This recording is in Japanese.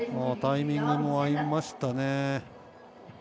タイミングも合いましたね。